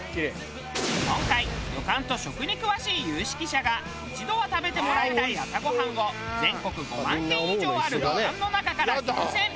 今回旅館と食に詳しい有識者が一度は食べてもらいたい朝ごはんを全国５万軒以上ある旅館の中から厳選。